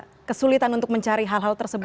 apa kesulitan untuk mencari hal hal tersebut